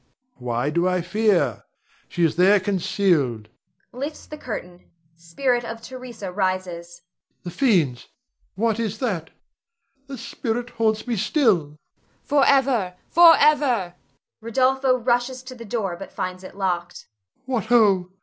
Why do I fear? She is there concealed [lifts the curtain; spirit of Theresa rises]. The fiends! what is that? The spirit haunts me still! Voice. Forever, forever Rod. [rushes to the door but finds it locked]. What ho!